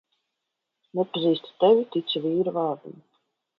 Nepazīstu tevi, ticu vīra vārdam.